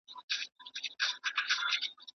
¬ د ډېري اغزى، د يوه غوزى.